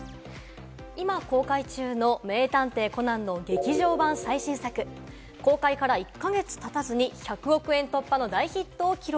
今、公開中の『名探偵コナン』の劇場版最新作公開から１か月経たずに１００億円突破の大ヒットを記録。